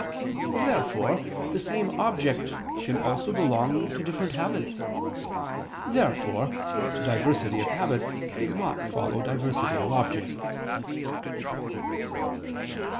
Therefore the same object can also belong to different habits. Therefore diversity of habits does not follow diversity of objects.